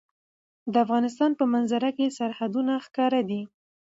د افغانستان په منظره کې سرحدونه ښکاره ده.